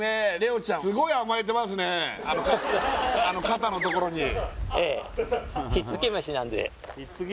肩のところにええ